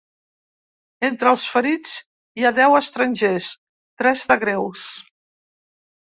Entre els ferits hi ha deu estrangers, tres de greus.